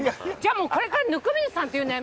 もうこれから「温水さん」って言うのやめよう。